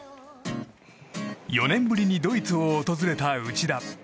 ４年ぶりにドイツを訪れた内田。